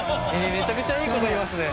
めちゃくちゃいいこと言いますね。